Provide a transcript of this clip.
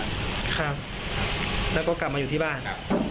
อ่ะครับและก็กลับมาอยู่ที่บ้าน